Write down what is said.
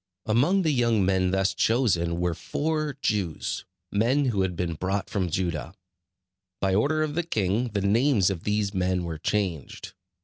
Among the young men thus chosen were four Jews, men who had been brought from Judah. By order of the king the names of these men were changed.